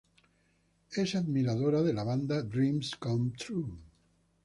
Es admiradora de la banda Dreams Come True.